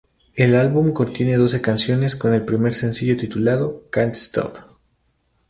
El álbum contiene doce canciones, con el primer sencillo titulado "Can't Stop".